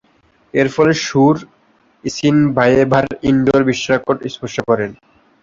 এরফলে সুর ইসিনবায়েভা’র ইনডোর বিশ্বরেকর্ড স্পর্শ করেন।